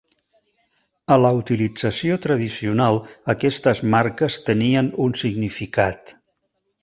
A la utilització tradicional aquestes marques tenien un significat.